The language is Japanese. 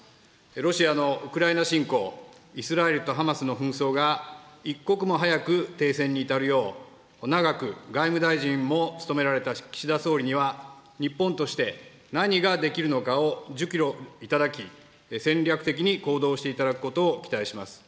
ロシアのウクライナ侵攻、イスラエルとハマスの紛争が一刻も早く停戦に至るよう、長く外務大臣も務められた岸田総理には、日本として何ができるのかを熟慮いただき、戦略的に行動していただくことを期待します。